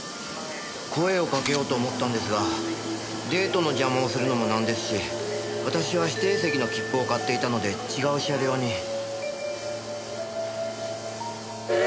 声をかけようと思ったんですがデートの邪魔をするのもなんですし私は指定席の切符を買っていたので違う車両に。